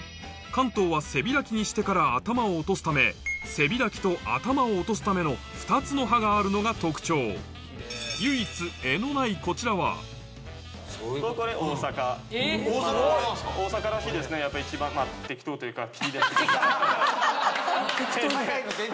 関東は背開きにしてから頭を落とすため背開きと頭を落とすための２つの刃があるのが特徴唯一柄のないこちらはやっぱり一番適当というか。